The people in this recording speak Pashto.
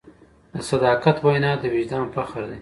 د صداقت وینا د وجدان فخر دی.